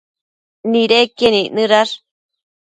nidequien icnëdash